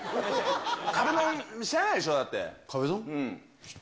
壁ドン、知らないでしょ、だって。